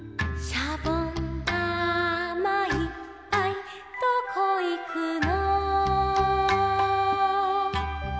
「しゃぼんだまいっぱいどこいくの」